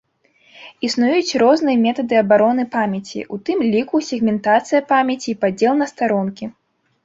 Існуюць розныя метады абароны памяці, у тым ліку сегментацыя памяці і падзел на старонкі.